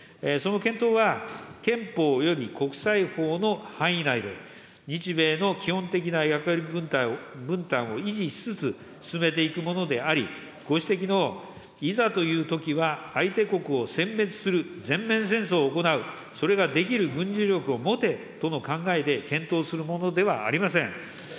その検討は、憲法および国際法の範囲内で、日米の基本的な役割分担を維持しつつ、進めていくものであり、ご指摘の、いざというときは相手国をせん滅する全面戦争を行う、それができる軍事力を持てとの考えで検討するものではありません。